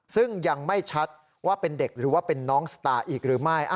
ซึ่งยังไม่ชัดว่าเป็นเด็กหรือว่าเป็นน้องสตาร์อีกหรือไม่